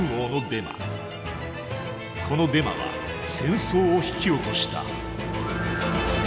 このデマは戦争を引き起こした。